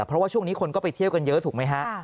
เพราะว่าช่วงนี้คนก็ไปเที่ยวกันเยอะถูกไหมฮะ